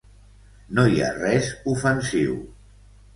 No hi ha res ofensiu.